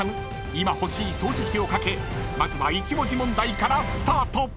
今欲しい掃除機を懸けまずは１文字問題からスタート］